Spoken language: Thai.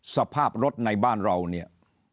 สภาพรถในบ้านเราเนี่ย